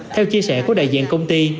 theo chia sẻ của đại diện công ty